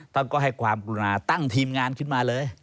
ท่านก็ให้ความกรุณาตั้งทีมงานขึ้นมาเลย